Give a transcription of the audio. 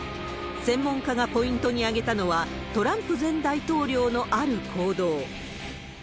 専門家がポイントに上げたのは、トランプ前大統領のある行動。